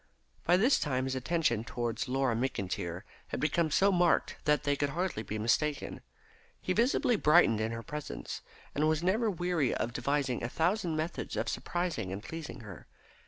By this time his attentions towards Laura McIntyre had become so marked that they could hardly be mistaken. He visibly brightened in her presence, and was never weary of devising a thousand methods of surprising and pleasing her.